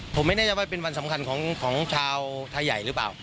ผมไม่แน่ใจว่าเป็นวันสำคัญของชาวไทยใหญ่หรือเปล่า